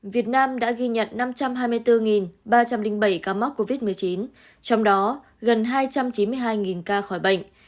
việt nam đã ghi nhận năm trăm hai mươi bốn ba trăm linh bảy ca mắc covid một mươi chín trong đó gần hai trăm chín mươi hai ca khỏi bệnh